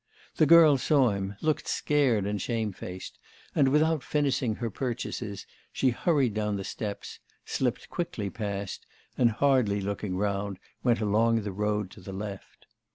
The girl saw him, looked scared and shamefaced, and without finishing her purchases, she hurried down the steps, slipped quickly past, and, hardly looking round, went along the road to the left.